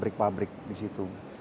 pabrik pabrik di situ